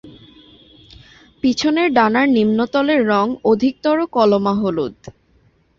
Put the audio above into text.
পিছনের ডানার নিম্নতলের রঙ অধিকতর কলমা-হলুদ।